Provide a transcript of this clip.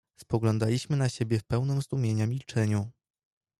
"Spoglądaliśmy na siebie w pełnem zdumienia milczeniu."